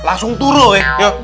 langsung turun ya